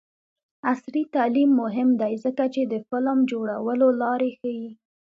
عصري تعلیم مهم دی ځکه چې د فلم جوړولو لارې ښيي.